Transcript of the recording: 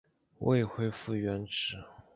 未恢复原职